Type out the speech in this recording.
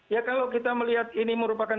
ya kalau kita melihat ini merupakan